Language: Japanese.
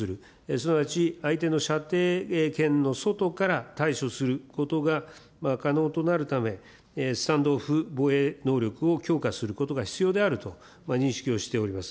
すなわち相手の射程圏の外から対処することが可能となるため、スタンド・オフ防衛能力を強化することが必要であると認識をしております。